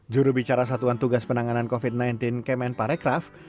jurubicara satuan tugas penanganan covid sembilan belas kemen parekraf